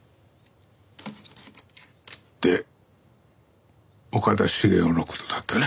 で岡田茂雄の事だったね。